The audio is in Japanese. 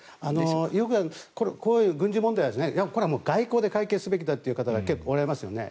こういう軍事問題はこれは外交で解決すべきだという方が結構おられますよね。